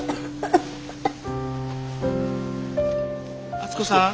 敦子さん？